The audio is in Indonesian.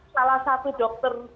salah satu dokter